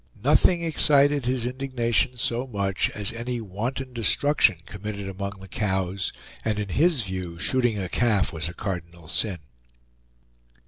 Nothing excited his indignation so much as any wanton destruction committed among the cows, and in his view shooting a calf was a cardinal sin.